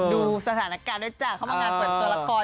ดูสถานการณ์ด้วยจ้ะเข้ามางานเปิดตัวละคร